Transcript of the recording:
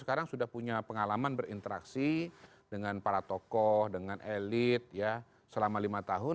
sekarang sudah punya pengalaman berinteraksi dengan para tokoh dengan elit ya selama lima tahun